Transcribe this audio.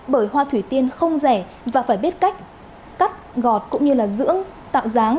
bởi hoa thủy tiên không rẻ và phải biết cách cắt gọt cũng như là dưỡng tạo dáng